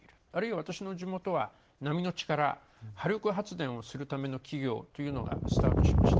今、私は地元では波の力、波力発電をするための企業というのがスタートしました。